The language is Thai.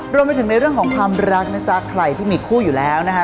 รวมไปถึงในเรื่องของความรักนะจ๊ะใครที่มีคู่อยู่แล้วนะคะ